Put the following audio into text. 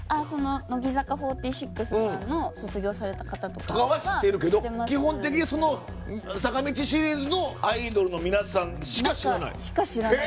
乃木坂４６さんの卒業された方とかは坂道シリーズのアイドルの皆さんしか知らない？